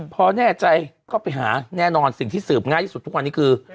พอแน่ใจก็ไปหาแน่นอนสิ่งที่สืบง่ายที่สุดทุกวันนี้คือ